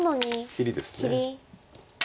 切りです。